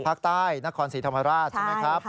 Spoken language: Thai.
ภาคใต้นครศรีธรรมราชใช่ไหมครับ